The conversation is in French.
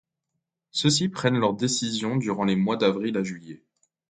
Ceux-ci prennent leurs décisions durant les mois d'avril à juillet.